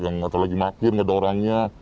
atau lagi makin gak ada orangnya